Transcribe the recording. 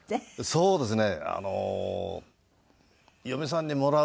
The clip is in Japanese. そうですね。